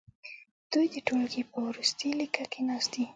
دوی د ټوولګي په وروستي لیکه کې ناست دي.